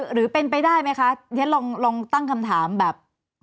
หรือเป็นไปได้ไหมคะเดี๋ยวลองตั้งคำถามแบบ